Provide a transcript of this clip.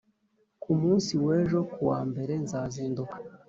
ku munsi w’ejo ku wa mbere, nzazinduka